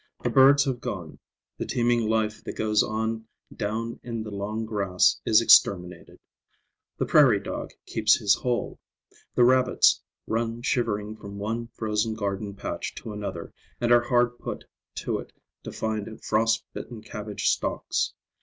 The birds have gone. The teeming life that goes on down in the long grass is exterminated. The prairie dog keeps his hole. The rabbits run shivering from one frozen garden patch to another and are hard put to it to find frost bitten cabbage stalks.